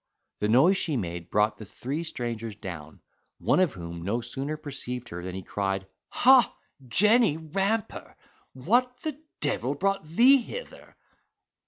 The noise she made brought the three strangers down, one of whom no sooner perceived her than he cried, "Ha! Jenny Ramper! what the devil brought thee hither?"